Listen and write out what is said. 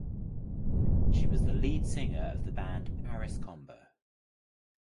She was the lead singer of the band Paris Combo.